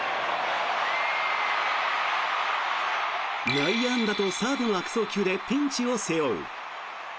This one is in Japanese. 内野安打とサードの悪送球でピンチを背負う。